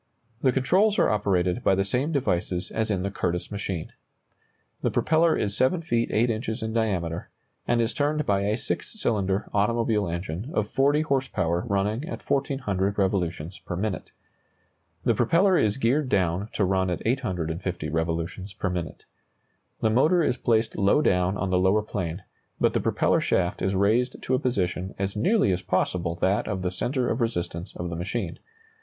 The controls are operated by the same devices as in the Curtiss machine. The propeller is 7 feet 8 inches in diameter, and is turned by a six cylinder automobile engine of 40 horse power running at 1,400 revolutions per minute. The propeller is geared down to run at 850 revolutions per minute. The motor is placed low down on the lower plane, but the propeller shaft is raised to a position as nearly as possible that of the centre of resistance of the machine.